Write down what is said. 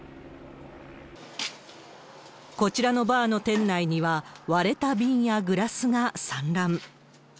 こちらのバーの店内には、割れた瓶やグラスが散乱。